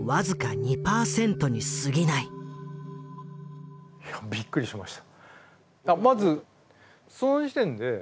いやびっくりしました。